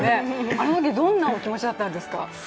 あのとき、どんなお気持ちだったんですか。